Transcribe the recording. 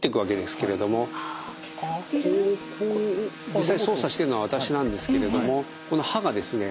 実際操作しているのは私なんですけれどもこの刃がですね